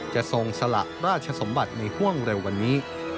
ทรงสละราชสมบัติในห่วงเร็ววันนี้